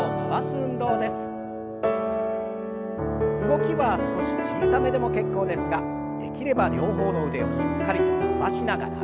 動きは少し小さめでも結構ですができれば両方の腕をしっかりと伸ばしながら。